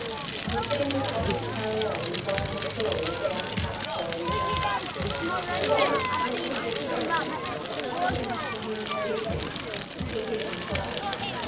The scene was oddly parallel with one in the story of the outcast boy of the gutter. Paul, conscious of experiment, calmly went up to him and kicked him. He kicked him hard.